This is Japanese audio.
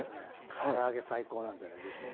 から揚げ最高なんでねぜひ。